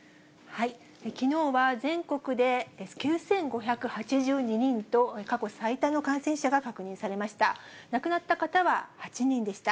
きのうは全国で９５８２人と過去最多の感染者が確認されました。